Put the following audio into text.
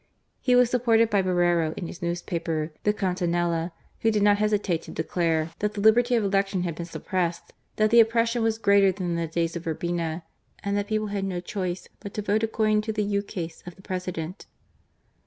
He was supported by Borrero in his newspaper, the Centinela, who did not hesitate to declare " that the liberty of election had been suppressed : that the oppression was greater than in the days of Urbina, and that people had no choice but to vote according to the ukase of the President."